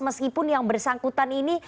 meskipun yang bersangkutan ini